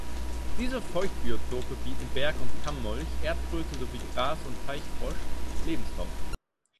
Diese Feuchtbiotope bieten Berg- und Kammmolch, Erdkröte sowie Gras- und Teichfrosch Lebensraum.